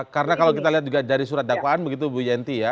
karena kalau kita lihat juga dari surat dakwaan begitu bu yenty ya